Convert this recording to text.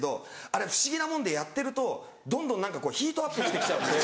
あれ不思議なもんでやってるとどんどん何かこうヒートアップして来ちゃって。